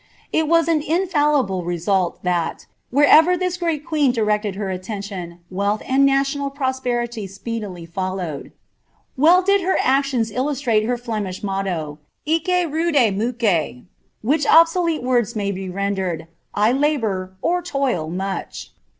It was an infallible result, that, wherever this great queen •a her attention, wealth and national prosperity speedily followed. did her actions illustrate her Flemish motto, Iche wrude muche^ . obsolete words may be rendered, ^ I labour (or toil) much."